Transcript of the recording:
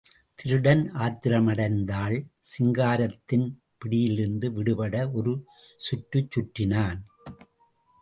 திருடன் ஆத்திரமடைந்தாள் சிங்காரத்தின் பிடியிலிருந்து விடுபட ஒரு சுற்று சுற்றினான்.